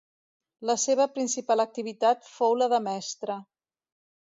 La seva principal activitat fou la de mestre.